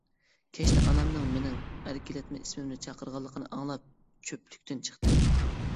كەچتە ئانامنىڭ مېنىڭ ئەركىلەتمە ئىسمىمنى چاقىرغانلىقىنى ئاڭلاپ، چۆپلۈكتىن چىقتىم.